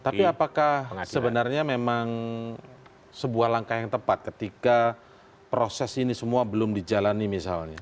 tapi apakah sebenarnya memang sebuah langkah yang tepat ketika proses ini semua belum dijalani misalnya